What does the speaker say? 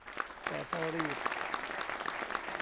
แต่ถ้ารีบ